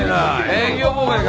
営業妨害か！？